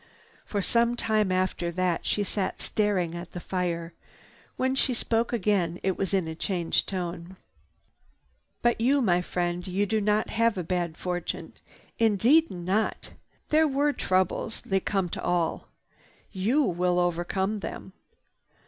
For some time after that she sat staring at the fire. When she spoke again it was in a changed tone: "But you, my friend, you did not have a bad fortune. Indeed not! There were troubles. They come to all. You will overcome them.